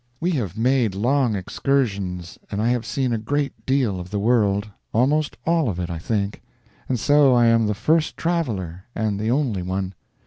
We have made long excursions, and I have seen a great deal of the world; almost all of it, I think; and so I am the first traveler, and the only one.